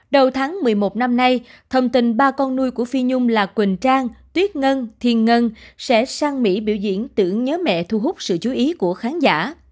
đầu tháng một mươi một năm nay thông tin ba con nuôi của phi nhung là quỳnh trang tuyết ngân thiên ngân sẽ sang mỹ biểu diễn tưởng nhớ mẹ thu hút sự chú ý của khán giả